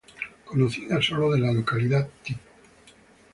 Conocida sólo de la localidad tipo.